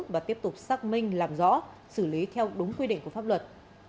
và tiếp tục xác minh làm rõ xử lý theo đúng quy định của pháp luật